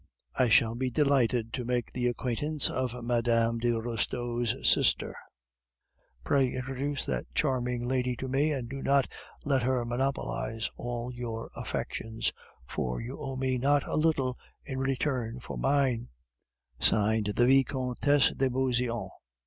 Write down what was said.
I shall be delighted to make the acquaintance of Mme. de Restaud's sister. Pray introduce that charming lady to me, and do not let her monopolize all your affection, for you owe me not a little in return for mine. "VICOMTESSE DE BEAUSEANT."